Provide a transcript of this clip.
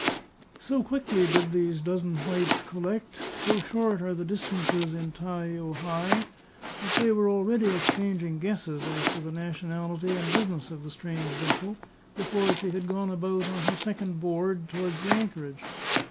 So quickly did these dozen whites collect, so short are the distances in Tai o hae, that they were already exchanging guesses as to the nationality and business of the strange vessel, before she had gone about upon her second board towards the anchorage.